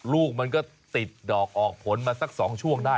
ลูกมันก็ติดดอกออกผลมาสัก๒ช่วงได้